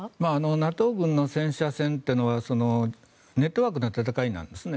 ＮＡＴＯ軍の戦車戦というのはネットワークの戦いなんですね。